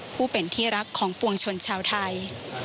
ผู้เป็นที่รักของปวงชนชาวไทย